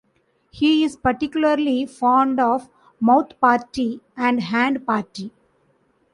He is particularly fond of "mouth-party" and "hand-party".